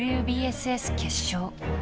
ＷＢＳＳ決勝。